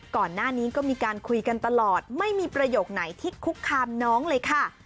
ก่อนหน้านี้ก็มีการคุยกันตลอดไม่มีประโยคไหนที่คุกคามน้องเลยค่ะ